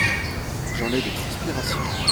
J’en ai des transpirations.